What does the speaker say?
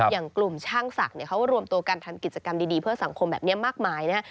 อย่างกลุ่มช่างศักดิ์เขารวมตัวกันทำกิจกรรมดีเพื่อสังคมแบบนี้มากมายนะฮะ